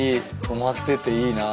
止まってていいな。